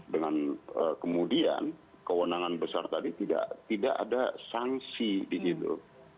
dengan kemudian kewenangan besar tadi tidak ada sanksi di situ